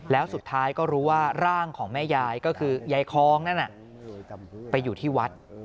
แล้วสุดท้ายก็รู้ว่าร่างของแม่ยายก็คือยายคล้องนั่นน่ะไปอยู่ที่วัด